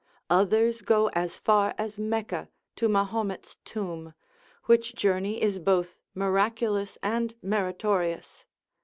Others go as far as Mecca to Mahomet's tomb, which journey is both miraculous and meritorious.